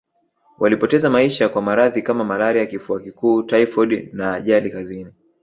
Walipoteza maisha kwa maradhi kama malaria Kifua kikuu taifodi na ajali kazini